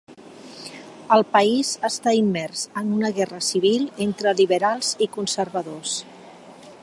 El país està immers en una guerra civil entre liberals i conservadors.